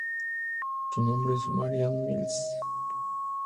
Su nombre es Mariah Mills.